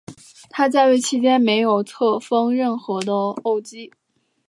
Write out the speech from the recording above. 他在位期间没有册封任何枢机。